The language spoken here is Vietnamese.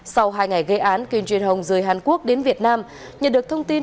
sau hai ngày gây án kim trinh hồng rời hàn quốc đến việt nam nhận được thông tin